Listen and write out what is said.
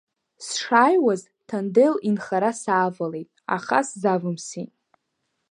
Сшааиуаз Ҭандел инхара саавалеит, аха сзавымсит.